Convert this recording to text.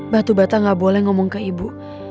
batu bata gak boleh ngomong ke ibu